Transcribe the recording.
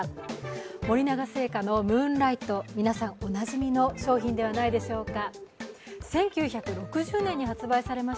森永製菓のムーンライト、皆さん、おなじみの商品なのではないでしょうか。